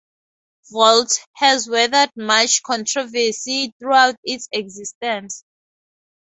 "Vault" has weathered much controversy throughout its existence.